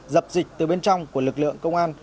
dập dịch từ bên trong của lực lượng công an